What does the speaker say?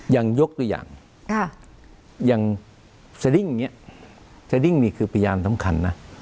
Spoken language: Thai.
ยังยกตัวอย่างค่ะยังเนี้ยคือพยานสำคัญนะอ่า